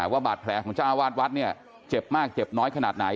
ว่าบาดแผลของเจ้าอาวาสวัดเนี่ยเจ็บมากเจ็บน้อยขนาดไหน